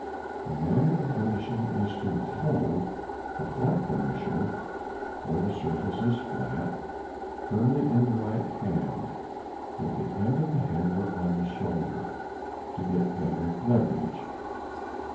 The manner of burnishing is to hold a flat burnisher, where the surface is flat, firmly in the right hand with the end of the handle on the shoulder, to get better leverage.